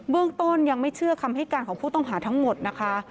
เรื่องต้นยังไม่เชื่อคำให้การของผู้ต้องหาทั้งหมดนะคะ